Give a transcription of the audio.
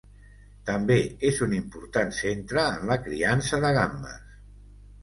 També és un important centre en la criança de gambes.